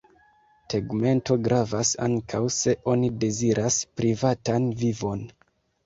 Tegmento gravas ankaŭ se oni deziras privatan vivon.